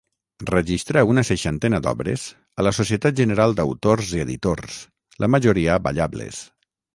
Registrà una seixantena d'obres a la Societat General d'Autors i Editors, la majoria ballables.